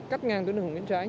cắt ngang tuyến đường miễn trãi